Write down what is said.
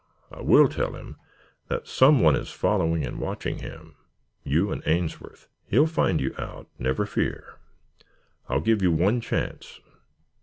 I will tell him that someone is following and watching him you and Ainsworth. He will find you out, never fear. I will give you one chance.